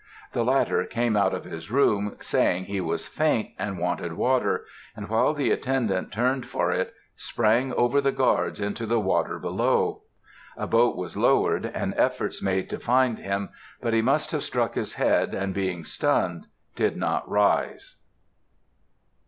The latter came out of his room, saying he was faint, and wanted water, and, while the attendant turned for it, sprang over the guards into the water below. A boat was lowered, and efforts made to find him, but he must have struck his head, and, being stunned, did not rise.